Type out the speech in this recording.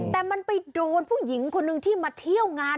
แต่มันไปโดนผู้หญิงคนหนึ่งที่มาเที่ยวงาน